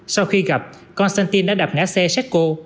sau khi gặp konstantin đã đạp ngã xe setsko